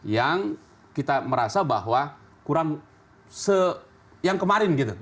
yang kita merasa bahwa kurang yang kemarin gitu